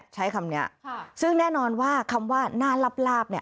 ใช้คำเนี้ยค่ะซึ่งแน่นอนว่าคำว่าหน้ารับราบเนี้ย